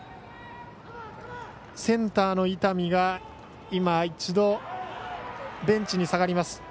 センターの伊丹が今、一度ベンチに下がります。